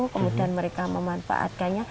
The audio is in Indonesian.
kemudian mereka memanfaatkannya